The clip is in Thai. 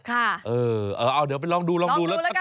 ค่ะเออเอาเดี๋ยวไปลองดูลองดูแล้วถ้าเกิดว่า